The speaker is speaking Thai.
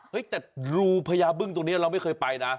แต่รูพญาบึ้งตรงนี้เราไม่เคยไปนะ